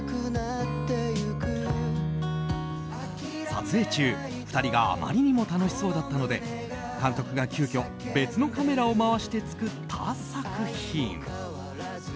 撮影中、２人があまりにも楽しそうだったので監督が急きょ別のカメラを回して作った作品。